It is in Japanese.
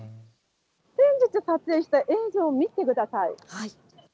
先日撮影した映像を見てください。